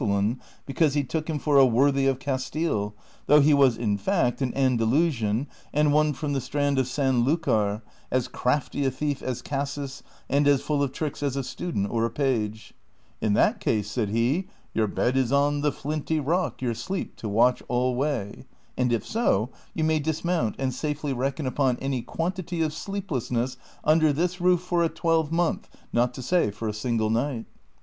11 The host fancied he called hiin Castellan because he took him for a '' worthy of Castile," ^ though he was in fact an Andalu sian, and one from the Strand of San Lucar, as crafty a thief as Casus and as full of tricks as a student or a page. " In that case," said he, " Your bed is on the flinty rock, Your sleep to watch alway ;* and if so, you may dismount and safely reckon upon any quantity of sleeplessness under this roof for a twelvemonth, not to say for a single night."